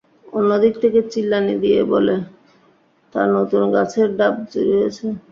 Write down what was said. অন্য দিক থেকে চিল্লানি দিয়ে বলে, তার নতুন গাছের ডাব চুরি হয়েছে।